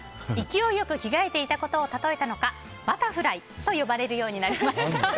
勢いよく着替えていたことをたとえたのかバタフライと呼ばれるようになりました。